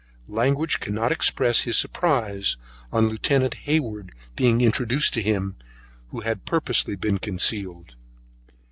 Language cannot express his surprise on Lieutenant Hayward's being introduced to him, who had been purposely concealed.